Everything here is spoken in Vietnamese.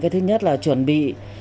thứ nhất là chuẩn bị